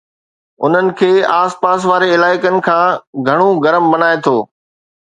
انھن کي آس پاس واري علائقي کان گھڻو گرم بڻائي ٿو